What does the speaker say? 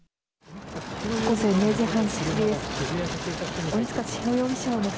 午前０時半過ぎです。